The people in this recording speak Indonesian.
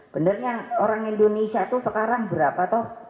benarnya orang indonesia itu sekarang berapa